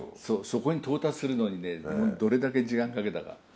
そこに到達するのにどれだけ時間かけたか。